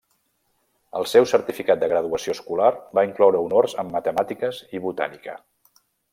El seu certificat de graduació escolar va incloure honors en matemàtiques i botànica.